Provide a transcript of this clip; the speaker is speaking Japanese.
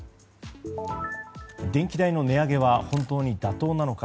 電気代の値上げは本当に妥当なのか。